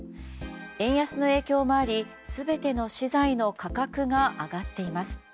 円安の影響もあり、全ての資材の価格が上がっています。